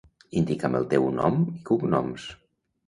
Indica'm el teu nom i cognoms.